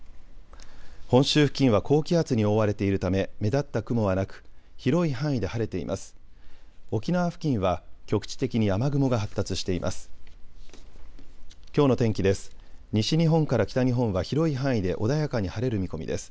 本州付近は高気圧に覆われているため目立った雲はなく広い範囲で晴れています。